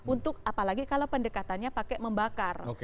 untuk apalagi kalau pendekatannya pakai membakar